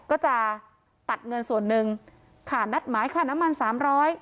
ก็จะตัดเงินส่วนหนึ่งค่ะนัดหมายค่าน้ำมันสามร้อย